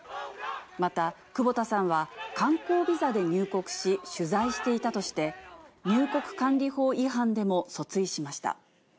また久保田さんは、観光ビザで入国し、取材していたとして、入国管理法違反でも訴追しました。